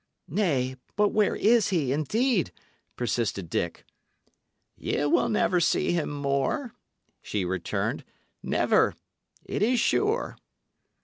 "Nay, but where is he, indeed?" persisted Dick. "Ye will never see him more," she returned "never. It is sure."